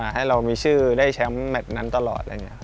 ให้เรามีชื่อได้แชมป์แมตรนั้นตลอด